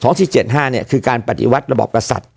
๒๔๗๕เนี่ยคือการปฏิวัติระบบกษัตริย์